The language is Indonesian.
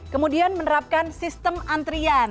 kemudian menerapkan sistem antrian